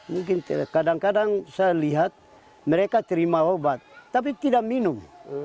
mungkin kadang kadang saya lihat mereka terima obat tapi tidak minum